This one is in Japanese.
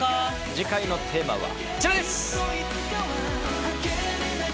次回のテーマはこちらです！